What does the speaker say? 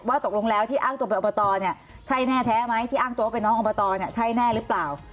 ว่าตกลงแล้วที่อ้างตัวไปอบประตอเนี่ยใช่แน่แท้ไหมที่อ้างตัวไปน้องอบประตอเนี่ยใช่แน่หรือเปล่า